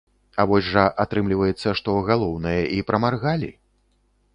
А вось жа атрымліваецца, што галоўнае і прамаргалі.